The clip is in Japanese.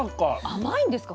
甘いんですか？